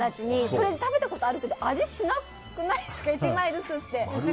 それで食べたことあるけど味しなくないですか１枚ずつって。